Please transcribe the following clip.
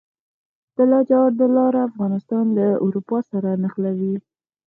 د لاجوردو لاره افغانستان له اروپا سره نښلوي